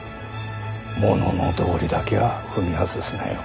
物の道理だけは踏み外すなよ。